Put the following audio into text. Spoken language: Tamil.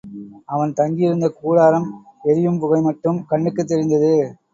அவன் தங்கியிருந்த கூடாரம் எரியும் புகை மட்டும் கண்ணுக்குத் தெரிந்தது.